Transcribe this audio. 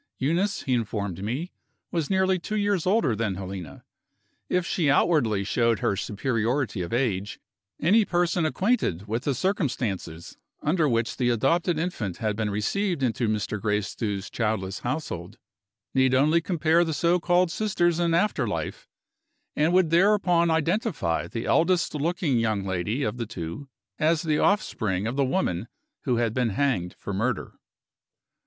Eunice, he informed me, was nearly two years older than Helena. If she outwardly showed her superiority of age, any person acquainted with the circumstances under which the adopted infant had been received into Mr. Gracedieu's childless household, need only compare the so called sisters in after life, and would thereupon identify the eldest looking young lady of the two as the offspring of the woman who had been hanged for murder.